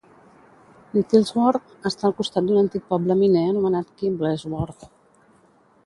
Nettlesworth està al costat d'un antic poble miner anomenat Kimblesworth.